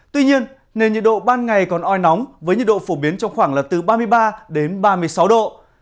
tuy nhiên nền nhiệt độ ban ngày còn oi nóng với nhiệt độ phổ biến trong khoảng là từ ba mươi ba đến ba mươi sáu độ